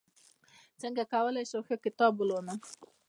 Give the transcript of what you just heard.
څنګه کولی شم ښه کتاب ولولم